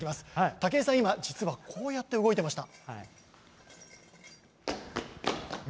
武井さん、今、実はこうやって動いてました。